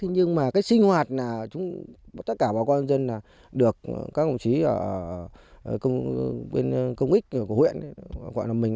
nhưng mà cái sinh hoạt tất cả bà con dân được các công chí ở bên công ích của huyện gọi là mình